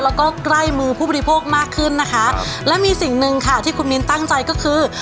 แล้วก็ใกล้มือผู้บริโภคมากขึ้นนะคะและมีสิ่งหนึ่งค่ะที่คุณมินตั้งใจก็คือ